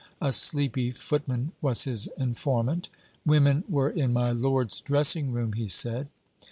A sleepy footman was his informant. Women were in my lord's dressing room, he said.